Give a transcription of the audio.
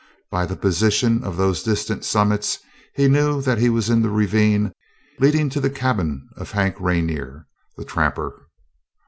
By the position of those distant summits he knew that he was in the ravine leading to the cabin of Hank Rainer, the trapper.